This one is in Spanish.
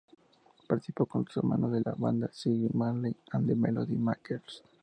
Participó con sus hermanos de la banda Ziggy Marley and the Melody Makers.